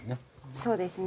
そうですね。